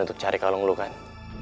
untuk cari kalung lo kan